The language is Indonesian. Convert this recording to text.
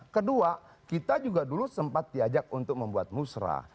kedua kita juga dulu sempat diajak untuk membuat musrah